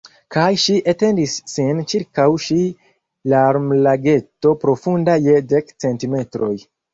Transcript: Kaj ŝi etendis sin ĉirkaŭ ŝi larmlageto profunda je dek centimetroj.